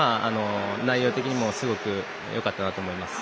内容的にもすごくよかったなと思います。